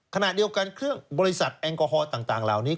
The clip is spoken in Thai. ขนาดเดียวกันเครื่องบริษัทแองกอฮอล์ต่างราวนี้